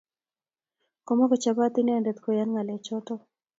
Komakochopot inendet koyan ng'alek chotok